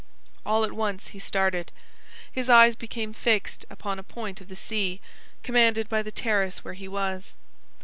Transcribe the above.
All at once he started. His eyes became fixed upon a point of the sea, commanded by the terrace where he was.